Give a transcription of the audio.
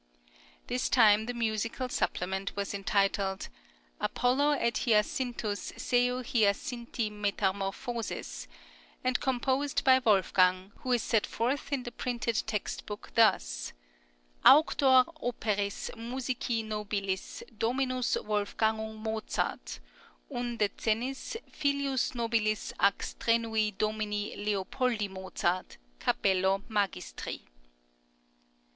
This time the musical supplement was entitled "Apollo et Hyacinthus seu Hyacinthi Metamorphosis," and composed by Wolfgang, who is set forth in the printed text book thus: _Auctor operis musici nobilis dominus Wolfgangus Mozart, un decennis, filius nobilis ac strenui domini Leopoldi Mozart, Capello Magistri.